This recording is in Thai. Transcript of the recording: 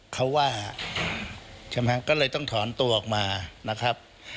เขาว่าใช่ไหมก็เลยต้องถอนตัวออกมานะครับ